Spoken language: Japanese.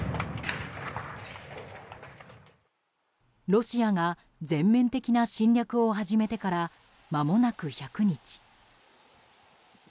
ロシアが全面的な侵略を始めてからまもなく１００日。